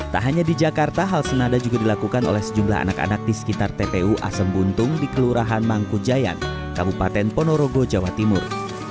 tak hanya di jakarta hal senada juga dilakukan oleh sejumlah anak anak di sekitar tpu asem buntung di kelurahan mangkujayan kabupaten ponorogo jawa timur